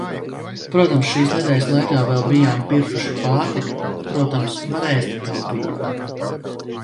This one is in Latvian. Protams, šīs nedēļas laikā vēl bijām pirkuši pārtiku, protams, var ēst taupīgāk.